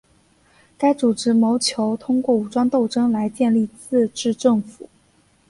该组织谋求通过武装斗争来建立自治政府。